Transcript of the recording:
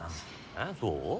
えっそう？